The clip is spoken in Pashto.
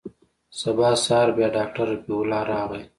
سبا سهار بيا ډاکتر رفيع الله راغى.